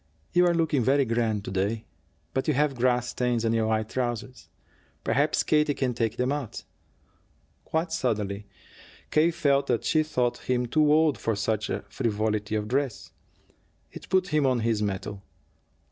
"You are looking very grand to day. But you have grass stains on your white trousers. Perhaps Katie can take them out." Quite suddenly K. felt that she thought him too old for such frivolity of dress. It put him on his mettle.